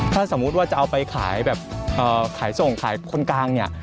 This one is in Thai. ถ้าสมมุติว่าจะเอาไปขายแบบขายส่งขายคนกลางเนี่ย